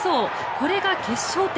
これが決勝点。